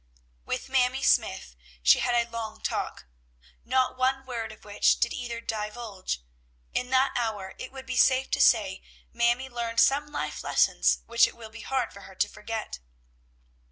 With Mamie Smythe she had a long talk, not one word of which did either divulge. In that hour it would be safe to say Mamie learned some life lessons which it will be hard for her to forget.